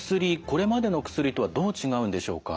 これまでの薬とはどう違うんでしょうか？